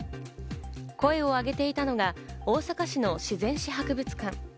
声をあげていたのが大阪市の自然史博物館。